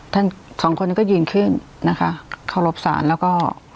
ท่านสองคนก็ยืนขึ้นนะคะเขารบสารแล้วก็